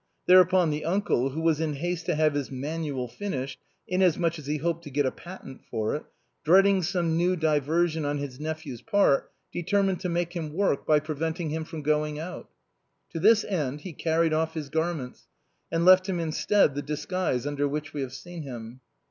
Thereupon the uncle, who was in haste to have his " Man ual " finished, inasmuch as he hoped to get a patent for it, dreading some new diversion on his nephew's part, deter mined to make him work by preventing him from going out. To this end he carried off his garments, and left him instead the disguise under which we have seen him.